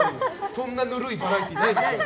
そんなにぬるいバラエティーないですから。